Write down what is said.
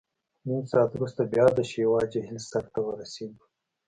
نیم ساعت وروسته بیا د شیوا جهیل سر ته ورسېدو.